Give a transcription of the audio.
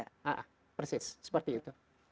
ya persis seperti itu